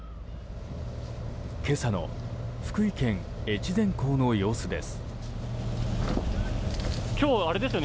今朝の福井県越前港の様子です。